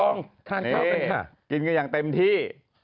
นี่กินกันอย่างเต็มที่